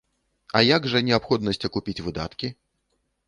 А як жа неабходнасць акупіць выдаткі?